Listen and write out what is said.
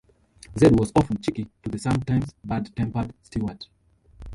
Zed was often cheeky to the sometimes bad-tempered Stewart.